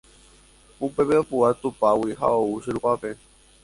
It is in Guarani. Upépe opu'ã tupágui ha ou che rupápe